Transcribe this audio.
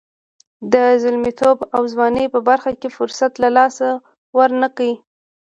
د زلمیتوب او ځوانۍ په وخت کې فرصت له لاسه ورنه کړئ.